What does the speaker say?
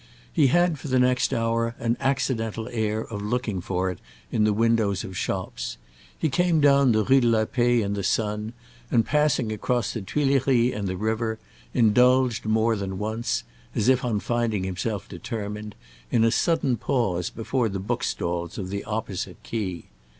He had for the next hour an accidental air of looking for it in the windows of shops; he came down the Rue de la Paix in the sun and, passing across the Tuileries and the river, indulged more than once—as if on finding himself determined—in a sudden pause before the book stalls of the opposite quay.